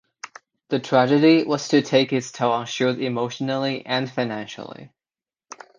The tragedy was to take its toll on Chute emotionally and financially.